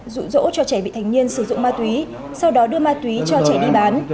rụ rỗ cho trẻ bị thành niên sử dụng ma túy sau đó đưa ma túy cho trẻ đi bán